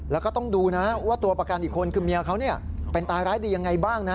แล้วก็ต้องดูนะว่าตัวประกันอีกคนคือเมียเขาเป็นตายร้ายดียังไงบ้างนะ